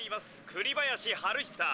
栗林晴久。